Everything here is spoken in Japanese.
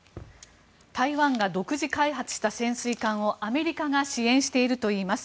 台湾が独自開発した潜水艦をアメリカが支援しているといいます。